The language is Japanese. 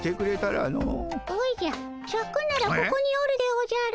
おじゃシャクならここにおるでおじゃる。